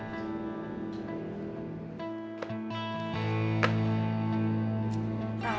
sampai jumpa lagi